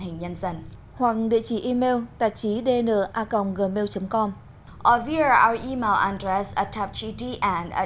xin kính chào và hẹn gặp lại quý vị trong chương trình tiếp theo